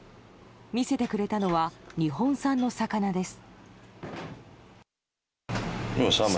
見せてくれたのは日本産の魚です。